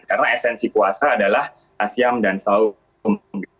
karena esensi puasa adalah asiam dan saum